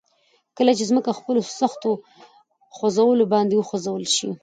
کله چې ځمکه په خپلو سختو خوځولو باندي وخوځول شي